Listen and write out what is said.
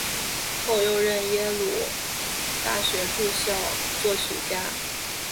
后又任耶鲁大学驻校作曲家。